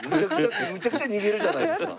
めちゃくちゃ逃げるじゃないですか。